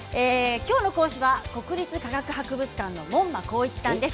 きょうの講師は国立科学博物館の門馬綱一さんです。